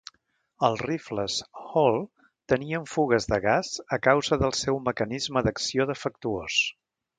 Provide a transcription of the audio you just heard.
Els rifles Hall tenien fugues de gas a causa del seu mecanisme d'acció defectuós.